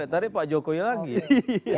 tarik pak jokowi lagi ya